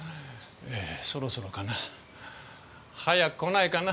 そろそろかな？早く来ないかな。